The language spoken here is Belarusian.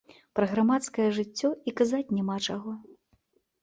Пра грамадскае жыццё і казаць няма чаго.